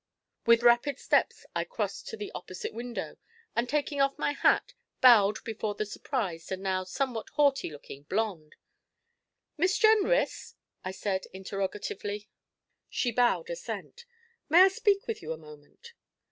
With rapid steps I crossed to the opposite window, and, taking off my hat, bowed before the surprised and now somewhat haughty looking blonde. 'Miss Jenrys?' I said interrogatively. She bowed assent. 'May I speak with you a moment?'